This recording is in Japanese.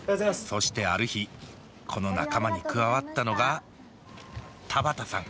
そしてある日この仲間に加わったのが田畑さん。